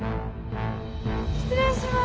失礼します。